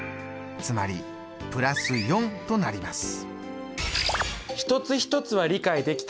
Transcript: つまり＋４となります。